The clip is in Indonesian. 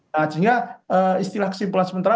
nah sehingga istilah kesimpulan sementara